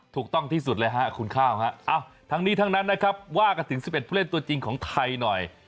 ถูกต้องที่สุดคุณข้าวครับทั้งนี้ทั้งนั้นว่ากลับถึง๑๑ผู้เล่นตัวจริงของไทยหน่อย